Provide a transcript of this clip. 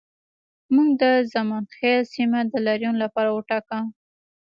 موږ د زمانخیل سیمه د لاریون لپاره وټاکه